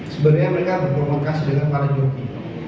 sebenarnya mereka berkomunikasi dengan para jurki